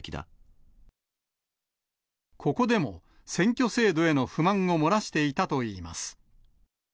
ここでも、選挙制度への不満を漏らしていたといいます。